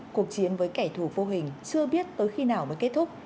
cuộc chiến với kẻ thù vô hình chưa biết tới khi nào mới kết thúc